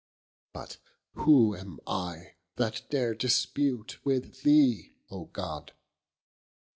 But who am I , that dare dispute with thee O God?